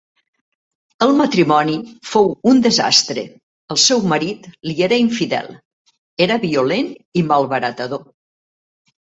El matrimoni fou un desastre, el seu marit li era infidel, era violent i malbaratador.